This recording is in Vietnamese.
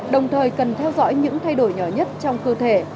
đồng thời cần theo dõi những thay đổi nhỏ nhất trong cơ thể